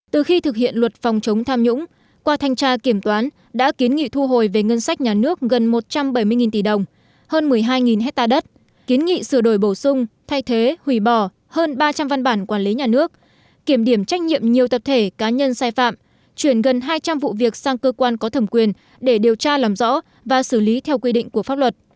từ khi thực hiện luật phòng chống tham nhũng qua thanh tra kiểm toán đã kiến nghị thu hồi về ngân sách nhà nước gần một trăm bảy mươi tỷ đồng hơn một mươi hai hectare đất kiến nghị sửa đổi bổ sung thay thế hủy bỏ hơn ba trăm linh văn bản quản lý nhà nước kiểm điểm trách nhiệm nhiều tập thể cá nhân sai phạm chuyển gần hai trăm linh vụ việc sang cơ quan có thẩm quyền để điều tra làm rõ và xử lý theo quy định của pháp luật